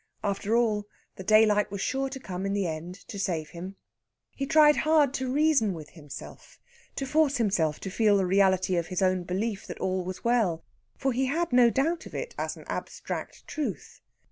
After all, the daylight was sure to come in the end to save him. He tried hard to reason with himself, to force himself to feel the reality of his own belief that all was well; for he had no doubt of it, as an abstract truth.